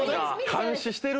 監視してるんだ。